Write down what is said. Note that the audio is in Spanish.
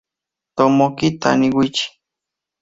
Tomoki Taniguchi